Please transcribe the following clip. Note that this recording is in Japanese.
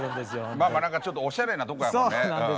まあ何かちょっとおしゃれなとこやもんね。